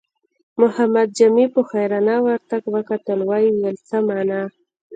محمد جامي په حيرانۍ ورته وکتل، ويې ويل: څه مانا؟